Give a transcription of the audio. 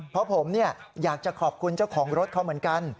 เพราะผมอยากจะขอบคุณเจ้าของรถเขาเหมือนกัน